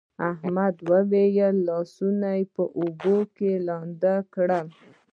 احمد وويل: لاسونه په اوبو لوند کړه.